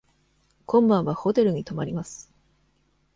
今晩はホテルに泊まります。